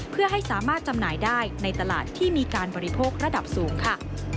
เพื่อให้สามารถจำหน่ายได้ในตลาดที่มีการบริโภคระดับสูงค่ะ